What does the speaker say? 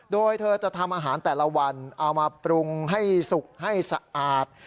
โดยเธอจะทำอาหารแต่ละวันเอามาปรุงให้สุกให้สะอาด